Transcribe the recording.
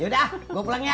yaudah gue pulang ya